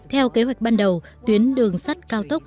theo kế hoạch ban đầu tuyến đường sắt cao tốc